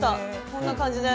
こんな感じで。